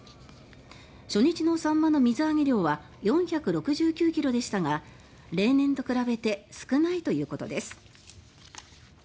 初日のサンマの水揚げ量は４６９ｋｇでしたが例年と比べて少ないということです。